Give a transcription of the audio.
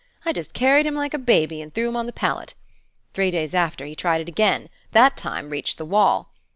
I just carried him like a baby, and threw him on the pallet. Three days after, he tried it again: that time reached the wall.